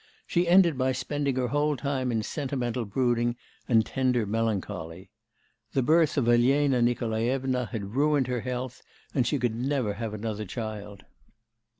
She ended by spending her whole time in sentimental brooding and tender melancholy. The birth of Elena Nikolaevna had ruined her health, and she could never have another child.